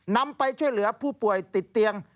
นำไปช่วยเหลือผู้ป่วยติดเตียง